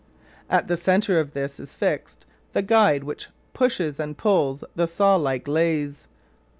At the centre of this is fixed the guide which pushes and pulls the saw like laths.